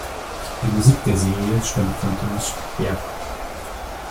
Die Musik der Serie stammt von Tamás Deák.